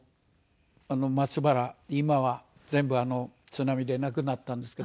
今は全部津波でなくなったんですけど